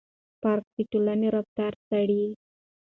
پارک د ټولنې رفتار څېړي.